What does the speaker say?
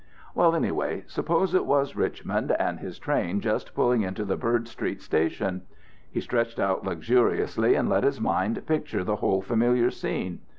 Well, anyway, suppose it was Richmond, and his train just pulling into the Byrd Street Station. He stretched out luxuriously, and let his mind picture the whole familiar scene.